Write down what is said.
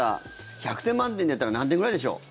１００点満点だったら何点ぐらいでしょう？